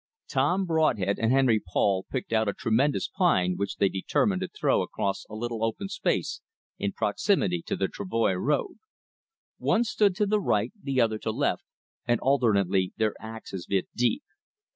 Tom Broadhead and Henry Paul picked out a tremendous pine which they determined to throw across a little open space in proximity to the travoy road. One stood to right, the other to left, and alternately their axes bit deep.